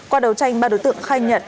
qua đấu tranh ba đối tượng khai nhận